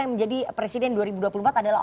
yang menjadi presiden dua ribu dua puluh empat adalah